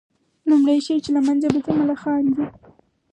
لومړى شى چي له منځه به ځي ملخان دي